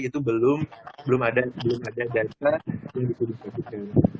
itu belum ada data yang bisa dipubliskan